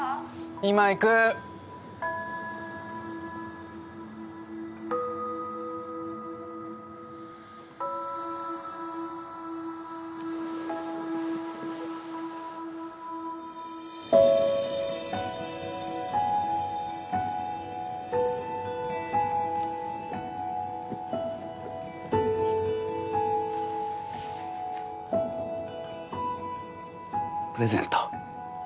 今行く！プレゼント。